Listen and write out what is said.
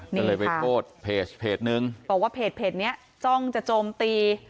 นี่ค่ะไปโปรดเพจหนึ่งบอกว่าเพจเนี้ยจ้องจะจมตี